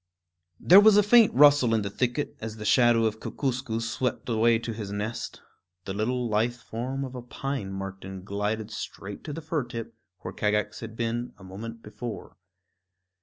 There was a faint rustle in the thicket as the shadow of Kookooskoos swept away to his nest. The long lithe form of a pine marten glided straight to the fir tip, where Kagax had been a moment before.